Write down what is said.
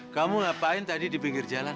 kamu ngapain tadi di pinggir jalan